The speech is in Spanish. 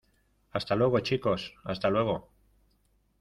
hasta luego, chicos. hasta luego .